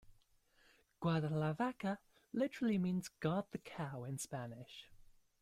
"Guardalavaca" literally means "guard the cow" in Spanish.